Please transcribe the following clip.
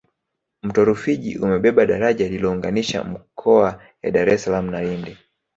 mto rufiji umebeba daraja lilounganisha mkoa ya dar es salaam na indi